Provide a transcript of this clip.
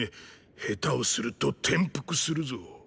下手をすると転覆するぞ。